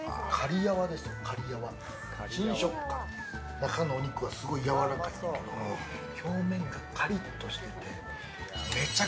中のお肉がすごいやわらかいねんけど表面がカリッとしてて。